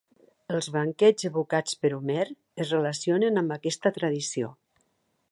Els banquets evocats per Homer es relacionen amb aquesta tradició.